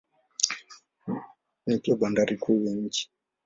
Ni pia bandari kuu ya nchi.